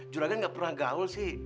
juragan nggak pernah gaul sih